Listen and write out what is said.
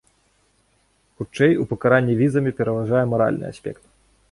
Хутчэй, у пакаранні візамі пераважае маральны аспект.